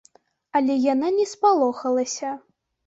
Але яна не спалохалася.